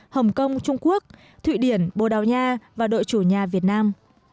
hồng kông trung quốc thụy điển bồ đào nha và đội chủ nhà việt nam